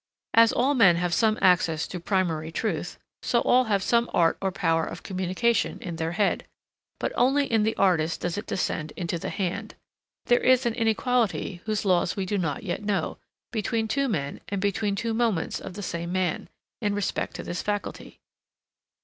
As all men have some access to primary truth, so all have some art or power of communication in their head, but only in the artist does it descend into the hand. There is an inequality, whose laws we do not yet know, between two men and between two moments of the same man, in respect to this faculty.